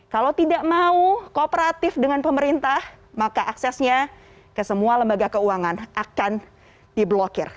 kalau tidak mau kooperatif dengan pemerintah maka aksesnya ke semua lembaga keuangan akan diblokir